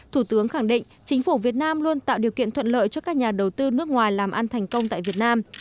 thủ tướng khẳng định chính phủ việt nam luôn tạo điều kiện thuận lợi cho các nhà đầu tư nước ngoài làm ăn thành công tại việt nam